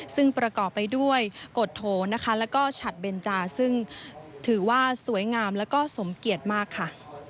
ซึ่งประกอบไปด้วยกฎโทและชัดเบนจาซึ่งถือว่าสวยงามและสมเกียจมากค่ะ